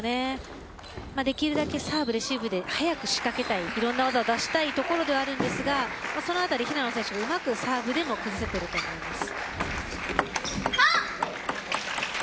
できるだけサーブ、レシーブで早く仕掛けて、いろんな技を出したいところではあるんですけどそのあたり、平野選手はサーブで崩してると思います。